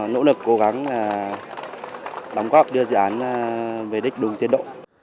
nỗ lực cố gắng đóng góp đưa dự án về đích đúng tiến độ